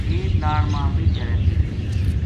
اک ناڑ ما ویہہ چرے تھی